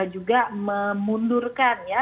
juga memundurkan ya